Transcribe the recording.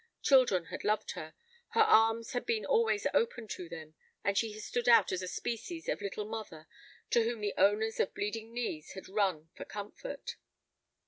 Children had loved her; her arms had been always open to them, and she had stood out as a species of little mother to whom the owners of bleeding knees had run for comfort.